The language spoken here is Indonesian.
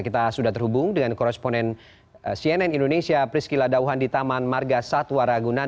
kita sudah terhubung dengan koresponen cnn indonesia prisky ladauhan di taman marga satwa ragunan